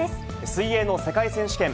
水泳の世界選手権。